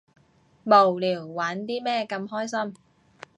無聊，玩啲咩咁開心？